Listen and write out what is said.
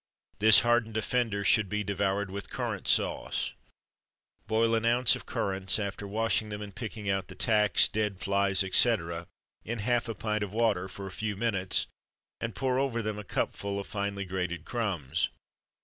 This hardened offender should be devoured with Currant Sauce: Boil an ounce of currants, after washing them and picking out the tacks, dead flies, etc., in half a pint of water, for a few minutes, and pour over them a cupful of finely grated crumbs.